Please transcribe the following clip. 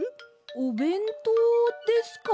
おべんとうですか？